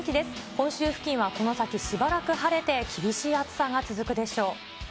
本州付近は、この先、しばらく晴れて、厳しい暑さが続くでしょう。